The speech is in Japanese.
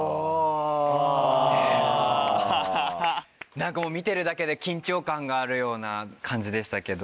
何かもう見てるだけで緊張感があるような感じでしたけど。